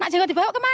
jenggot dibawa kemana